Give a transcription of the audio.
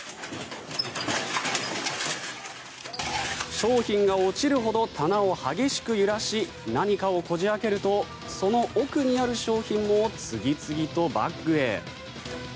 商品が落ちるほど棚を激しく揺らし何かをこじ開けるとその奥にある商品も次々とバッグへ。